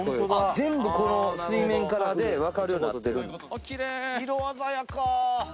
全部この水面からで分かるようになってるあっキレイ色鮮やか